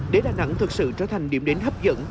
để đà nẵng thực sự trở thành điểm đến hấp dẫn